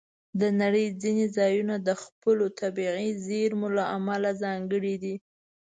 د نړۍ ځینې ځایونه د خپلو طبیعي زیرمو لپاره ځانګړي دي.